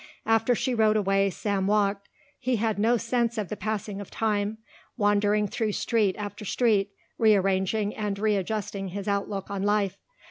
After she rode away Sam walked. He had no sense of the passing of time, wandering through street after street, rearranging and readjusting his outlook on life.